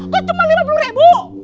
pak kok cuma rp lima puluh